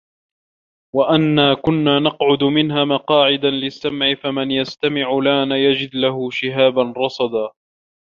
وَأَنّا كُنّا نَقعُدُ مِنها مَقاعِدَ لِلسَّمعِ فَمَن يَستَمِعِ الآنَ يَجِد لَهُ شِهابًا رَصَدًا